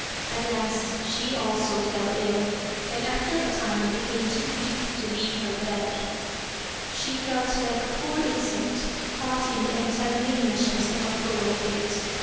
At last she also fell ill, and after a time became too weak to leave her bed. She felt like a poor insect caught in the entangling meshes of a cruel Fate.